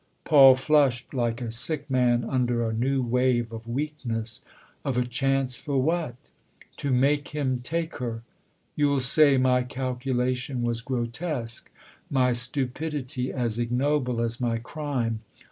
Paul flushed like a sick man under a new wave of weakness. " Of a chance for what ?" "To make him take her. You'll say my calcu lation was grotesque my stupidity as ignoble as my crime.